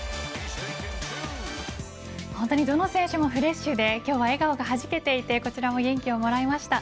本当にどの選手もフレッシュで今日は笑顔がはじけていてこちらも元気をもらいました。